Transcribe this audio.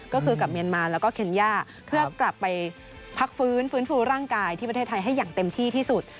ก็คือกับเมียนมาแล้วก็เคนย่าเพื่อกลับไปพักฟื้นฟื้นฟูร่างกายที่ประเทศไทยให้อย่างเต็มที่ที่สุด